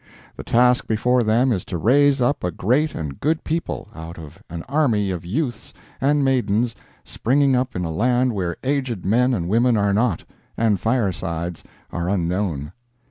The task before them is to raise up a great and good people, out of an army of youths and maidens springing up in a land where aged men and women are not, and firesides are unknown.